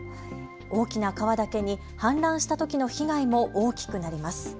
大きな川だけに氾濫したときの被害も大きくなります。